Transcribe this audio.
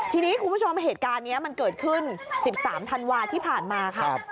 ทีนี้คุณผู้ชมเหตุการณ์นี้มันเกิดขึ้น๑๓ธันวาที่ผ่านมาค่ะ